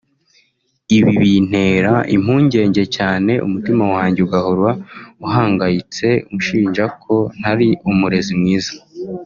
Ibi bintera impungenge cyane umutima wanjye ugahora uhangayitse unshinja ko ntari umurezi mwiza